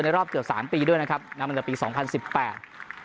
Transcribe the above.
รอบเกือบสามปีด้วยนะครับนับตั้งแต่ปีสองพันสิบแปด